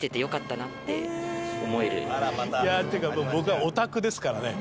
っていうか僕はオタクですからね。